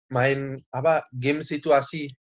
main apa game situasi